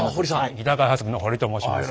ギター開発部の堀と申します。